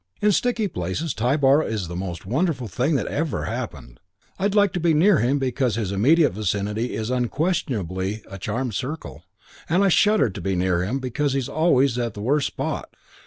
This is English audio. In sticky places Tybar is the most wonderful thing that ever happened. I like to be near him because his immediate vicinity is unquestionably a charmed circle; and I shudder to be near him because his is always the worst spot.'